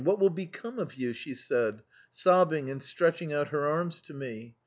What will become of you? " she asked, sobbing and holding out her hands to me.